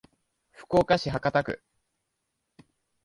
福岡市博多区